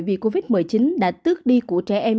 vì covid một mươi chín đã tước đi của trẻ em